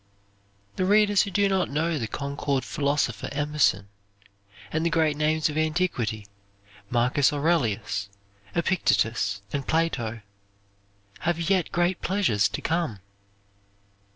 The readers who do not know the Concord philosopher Emerson, and the great names of antiquity, Marcus Aurelius, Epictetus and Plato, have yet great pleasures to come.